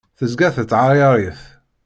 Tezga tettɛayaṛ-it.